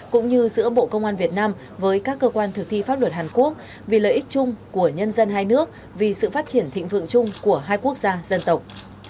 cũng như giữa bộ công an việt nam với các cơ quan thực thi pháp luật hàn quốc vì lợi ích chung của nhân dân hai nước vì sự phát triển thịnh vượng chung của hai quốc gia dân tộc